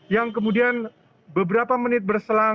yang kemudian beberapa menit berselang